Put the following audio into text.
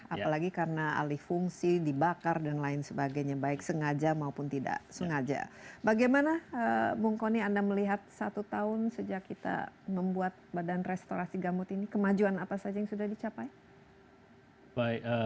apalagi karena alih fungsi dibakar dan lain sebagainya baik sengaja maupun tidak sengaja bagaimana bung kony anda melihat satu tahun sejak kita membuat badan restorasi gambut ini kemajuan apa saja yang sudah dicapai